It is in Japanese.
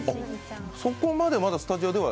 そこまでまだスタジオでは。